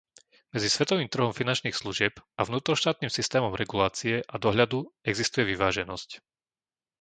Medzi svetovým trhom finančných služieb a vnútroštátnym systémom regulácie a dohľadu existuje vyváženosť.